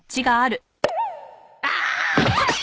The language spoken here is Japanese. ああ！！